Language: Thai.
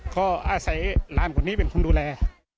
ก็อาศัยหลานคนนี้เป็นคนดูแล